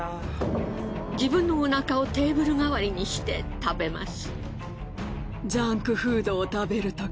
自分のおなかをテーブル代わりにして食べます。